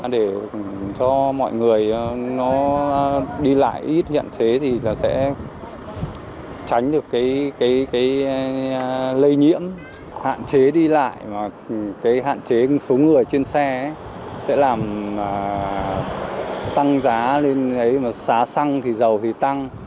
để cho mọi người đi lại ít nhận thế thì sẽ tránh được lây nhiễm hạn chế đi lại hạn chế số người trên xe sẽ làm tăng giá lên xá xăng thì giàu thì tăng